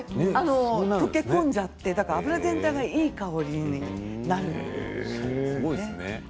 溶け込んじゃって油がいい香りになるんですね。